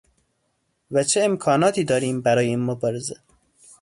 و چه امکاناتی داریم برای این مبارزه